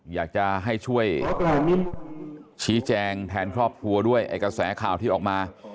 อยากจะให้ช่วยชี้แจงแทนครอบครัวด้วยไอ้กระแสข่าวที่ออกมา